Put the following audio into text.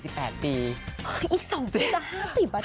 อีก๒ปีจะ๕๐ป่ะเธอ